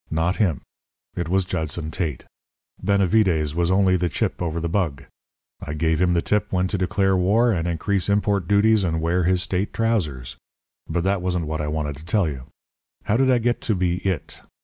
Not him. It was Judson Tate. Benavides was only the chip over the bug. I gave him the tip when to declare war and increase import duties and wear his state trousers. But that wasn't what I wanted to tell you. How did I get to be It?